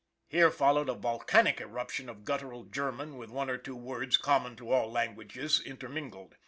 " Here followed a volcanic eruption of guttural German with one or two words common to all lan guages intermingled.